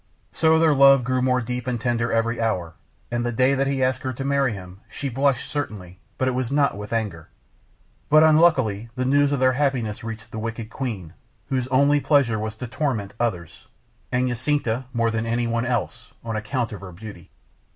So their love grew more deep and tender every hour, and the day that he asked her to marry him she blushed certainly, but it was not with anger. But, unluckily, the news of their happiness reached the wicked queen, whose only pleasure was to torment others, and Jacinta more than anyone else, on account of her beauty.